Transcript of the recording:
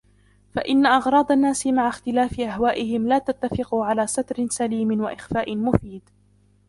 فَإِنَّ أَغْرَاضَ النَّاسِ مَعَ اخْتِلَافِ أَهْوَائِهِمْ لَا تَتَّفِقُ عَلَى سَتْرِ سَلِيمٍ وَإِخْفَاءِ مُفِيدٍ